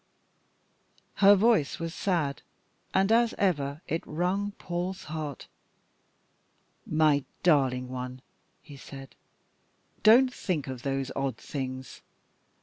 Her voice was sad, and as ever it wrung Paul's heart. "My darling one," he said, "don't think of those odd things.